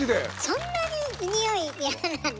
そんなににおい嫌なんだ？